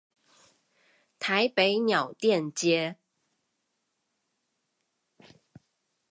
台北鳥店街